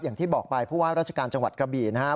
อย่างที่บอกไปผู้ว่าราชการจังหวัดกระบี่นะครับ